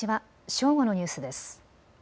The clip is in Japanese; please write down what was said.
正午のニュースです。